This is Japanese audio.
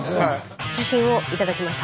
写真を頂きました。